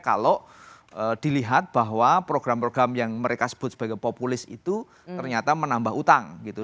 kalau dilihat bahwa program program yang mereka sebut sebagai populis itu ternyata menambah utang gitu